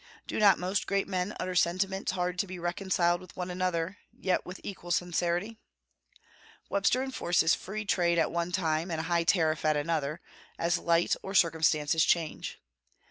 Do not most great men utter sentiments hard to be reconciled with one another, yet with equal sincerity? Webster enforces free trade at one time and a high tariff at another, as light or circumstances change.